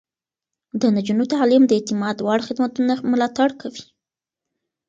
د نجونو تعليم د اعتماد وړ خدمتونه ملاتړ کوي.